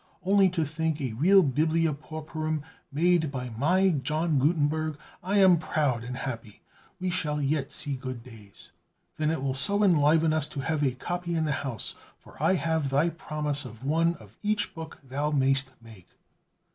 Only to think, a real 'Biblia Pauperum' made by my John Gutenberg! I am proud and happy; we shall yet see good days. Then it will so enliven us to have a copy in the house, for I have thy promise of one of each book thou mayst make."